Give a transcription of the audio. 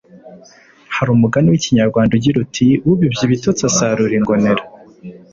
Hari umugani w’ikinyarwanda ugira uti “Ubibye ibitotsi asarura ingonera”